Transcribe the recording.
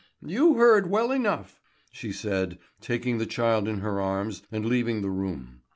"You heard well enough!" she said, taking the child in her arms and leaving the room.